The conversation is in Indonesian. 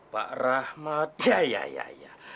pak rahmat ya ya ya